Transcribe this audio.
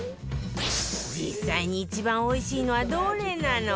実際に一番おいしいのはどれなのかしら？